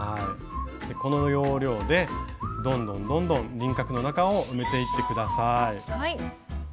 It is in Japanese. この要領でどんどんどんどん輪郭の中を埋めていって下さい。